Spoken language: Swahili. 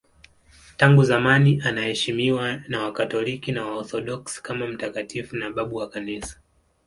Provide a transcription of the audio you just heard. Tangu zamani anaheshimiwa na Wakatoliki na Waorthodoksi kama mtakatifu na babu wa Kanisa.